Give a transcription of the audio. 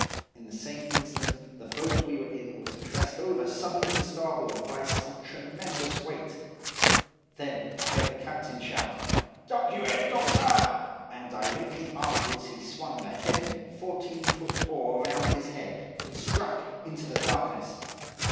"In the same instant the boat we were in was pressed over suddenly to starboard by some tremendous weight. Then I heard the captain shout, 'Duck y'r head, doctor!' And directly afterwards he swung the heavy, fourteen foot oar round his head, and struck into the darkness.